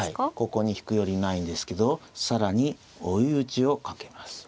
ここに引くよりないんですけど更に追い打ちをかけます。